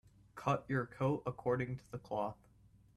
Cut your coat according to the cloth.